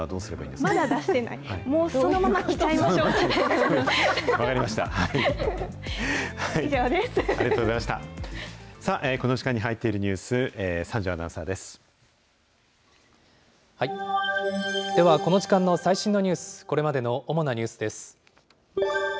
この時間に入っているニュース、ではこの時間の最新のニュース、これまでの主なニュースです。